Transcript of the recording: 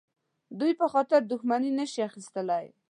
دوی په خاطر دښمني نه شي اخیستلای.